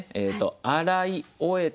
「洗い」「終えた」